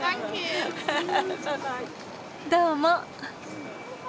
どうも。